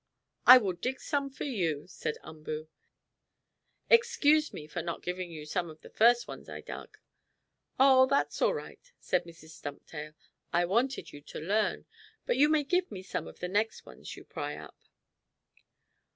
"I will dig some for you," said Umboo. "Excuse me for not giving you some of the first ones I dug." "Oh, that's all right," said Mrs. Stumptail. "I wanted you to learn, but you may give me some of the next ones you pry up."